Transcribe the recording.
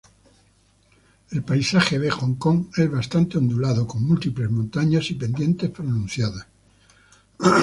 El paisaje de Hong Kong es bastante ondulado con múltiples montañas y pendientes pronunciadas.